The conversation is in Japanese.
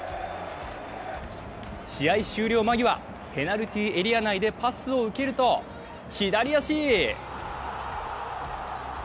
試合終了間際、ペナルティーエリア内でパスを受けると左足！